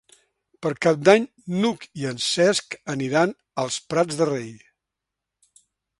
Per Cap d'Any n'Hug i en Cesc aniran als Prats de Rei.